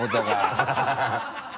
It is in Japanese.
ハハハ